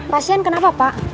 pasien kenapa pak